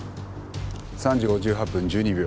３時５８分１２秒。